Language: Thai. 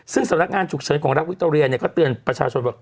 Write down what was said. ซึ่งสำนักงานฉุกเฉินของรักวิคโตเรียก็เตือนประชาชนว่า